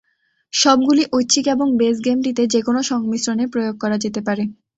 সবগুলি ঐচ্ছিক এবং বেস গেমটিতে যেকোনো সংমিশ্রণে প্রয়োগ করা যেতে পারে।